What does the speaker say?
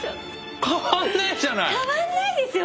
変わんないですよ